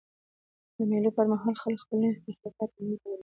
د مېلو پر مهال خلک خپل نوي تخلیقات نندارې ته وړاندي کوي.